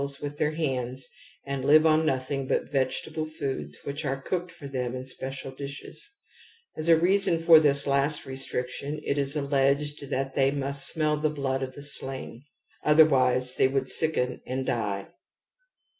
THE AMBIVALENCE OF EMOTIONS 67 with their hands and live on nothing but veget •^able foods which are cooked for them in special dishes. As a reason for thislast restriction it is alleged that they musf^lmiell the blood of the slain, otherwise they would sicken and die.